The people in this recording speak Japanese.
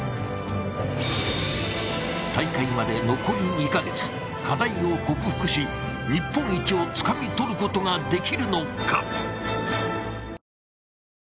大会まで残り２カ月課題を克服し日本一をつかみ取ることができるのか。